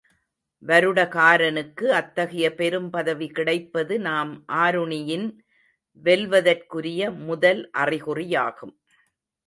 வருடகாரனுக்கு அத்தகைய, பெரும் பதவி கிடைப்பது நாம் ஆருணியின் வெல்வதற்குரிய முதல் அறிகுறியாகும்.